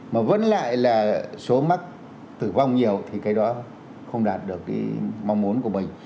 mà vẫn lại là số mắc tử vong nhiều thì cái đó không đạt được cái mong muốn của mình